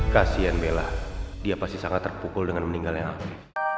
kasian bella dia pasti sangat terpukul dengan meninggalnya nabi